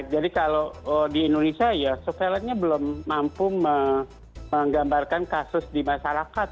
jadi kalau di indonesia surveillance nya belum mampu menggambarkan kasus di masyarakat